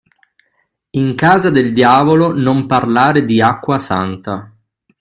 In casa del diavolo non parlar di acqua santa.